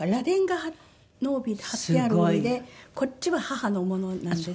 螺鈿の貼ってある帯でこっちは母のものなんです。